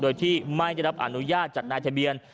โดยที่ไม่ได้รับอนุญาตจากนายทะเบียน